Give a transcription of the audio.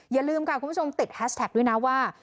อย่าลืมค่ะคุณผู้ชมติดแฮสแท็กด้วยนะว่า